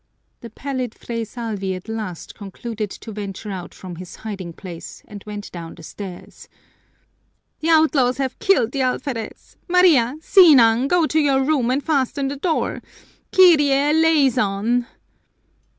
The pallid Fray Salvi at last concluded to venture out from his hiding place, and went down the stairs. "The outlaws have killed the alferez! Maria, Sinang, go into your room and fasten the door! _Kyrie eleyson!